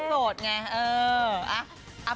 โสดไงเออ